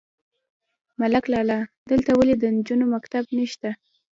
_ملک لالا! دلته ولې د نجونو مکتب نشته؟